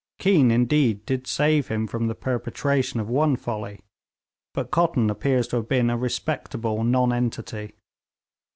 Keane, indeed, did save him from the perpetration of one folly. But Cotton appears to have been a respectable nonentity.